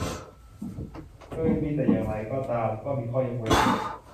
เคยมี แต่อย่างไรก็ตาม ก็มีข้อยกเว้น